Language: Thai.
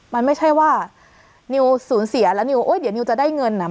มันไม่ใช่ว่านิวสูญเสียแล้วนิวโอ๊ยเดี๋ยวนิวจะได้เงินอ่ะ